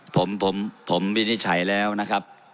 ผมผมวินิจฉัยแล้วนะครับ